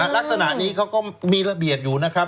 ลักษณะนี้เขาก็มีระเบียบอยู่นะครับ